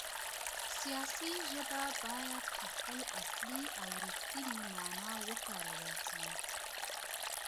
سياسي ژبه بايد په خپله اصلي او رښتينې مانا وکارول سي.